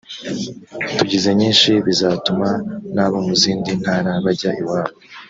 tugize nyinshi bizatuma n’abo mu zindi ntara bajya iwabo